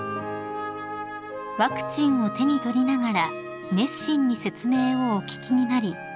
［ワクチンを手に取りながら熱心に説明をお聞きになり］